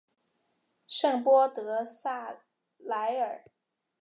圣波德萨莱尔。